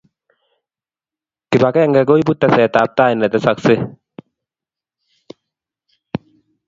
Kipakenge ko ipu tesetaptai ne tesaskei